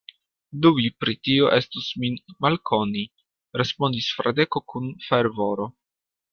Dubi pri tio estus min malkoni, respondis Fradeko kun fervoro.